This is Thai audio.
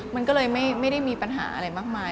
มันก็เลยไม่ได้มีปัญหาอะไรมากมาย